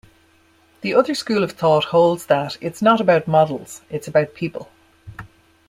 The other school of thought holds that it's not about models, it's about people.